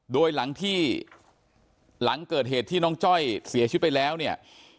โดยหลังที่หลังเกิดเหตุที่น้องจ้อยเสียชีวิตไปแล้วเนี่ย